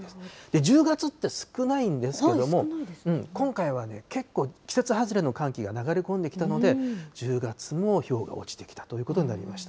１０月って、少ないんですけれども、今回はね、結構季節外れの寒気が流れ込んできたので、１０月もひょうが落ちてきたということになりました。